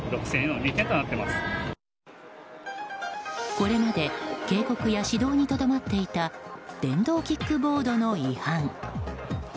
これまで警告や指導にとどまっていた電動キックボードの違反。